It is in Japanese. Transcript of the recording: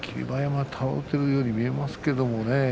馬山倒れているように見えますけどね。